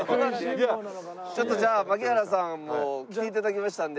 ちょっとじゃあ槙原さんも来ていただきましたんで。